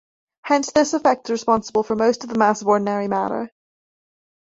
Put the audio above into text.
Hence this effect is responsible for most of the mass of ordinary matter.